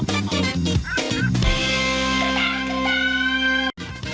ข้าวใส่ไทยสอบกว่าใครใหม่กว่าเดิมค่อยเมื่อล่า